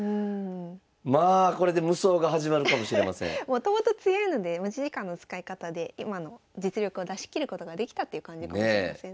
もともと強いので持ち時間の使い方で今の実力を出し切ることができたっていう感じかもしれませんね。